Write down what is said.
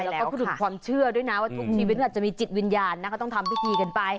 แล้วก็พูดถึงความเชื่อด้วยนะว่าทุกชีวิตอาจจะมีจิตวิญญาณนะก็ต้องทำพิธีกันไป